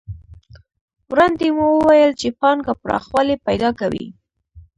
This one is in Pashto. وړاندې مو وویل چې پانګه پراخوالی پیدا کوي